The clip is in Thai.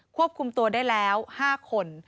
ควบคุมตัวได้แล้ว๕คน